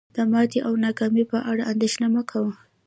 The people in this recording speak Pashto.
د ماتې او ناکامۍ په اړه اندیښنه مه کوه.